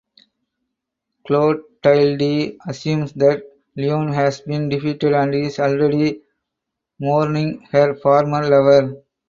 Clotilde assumes that Leone has been defeated and is already mourning her former lover.